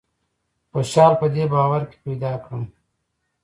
خوشالي په دې باور کې پیدا کړم.